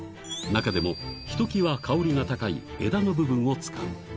中でも、ひときわ香りが高い枝の部分を使う。